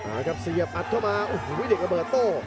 เอาละครับเสียบอัดเข้ามาโอ้โหเด็กระเบิดโต้